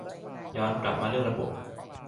ย้อนกับมาเรื่องระบบ